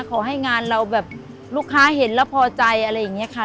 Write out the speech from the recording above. ขอให้งานเราแบบลูกค้าเห็นแล้วพอใจอะไรอย่างนี้ค่ะ